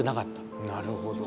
なるほど。